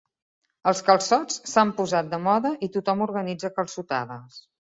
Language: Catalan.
Els calçots s'han posat de moda i tothom organitza calçotades.